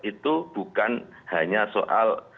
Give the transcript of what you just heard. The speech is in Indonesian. itu bukan hanya soal